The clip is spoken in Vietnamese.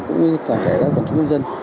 cũng như toàn thể các cộng chức nhân dân